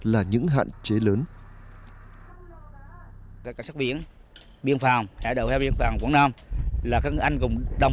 là những hạn chế lớn